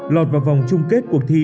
lọt vào vòng chung kết cuộc thi